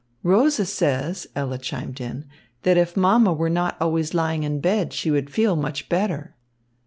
"Rosa says," Ella chimed in, "that if mamma were not always lying in bed, she would feel much better."